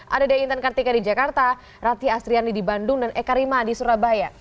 ada dian intan kartika di jakarta rati astriani di bandung dan ekarima di surabaya